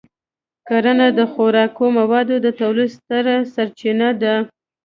کرنه د خوراکي موادو د تولید ستره سرچینه ده.